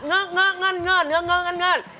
เงินเงินเงินเงินเงินเงินเงินเงินเงินเงินเงิน